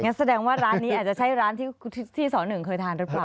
งั้นแสดงว่าร้านนี้อาจจะใช้ร้านที่ที่ศเนื่องเคยทานรึเปล่า